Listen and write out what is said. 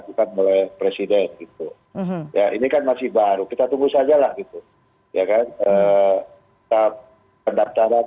di brewok brewok lainnya dan juga sebagai salah satu satunya